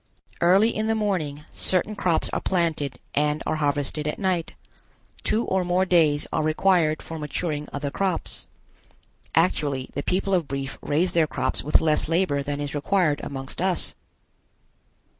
Early in the morning certain crops are planted and are harvested at night. Two or more days are required for maturing other crops. Actually the people of Brief raise their crops with less labor than is required amongst us.